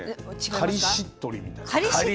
カリッしっとりみたいな。